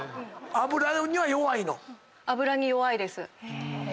脂に弱いです。